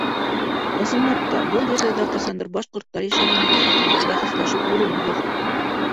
Ысынлап та, был ерҙәрҙә ҡасандыр башҡорттар йәшәгәнлеге хаҡында бәхәсләшеү урынһыҙ.